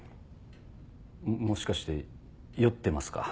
もしかして酔ってますか？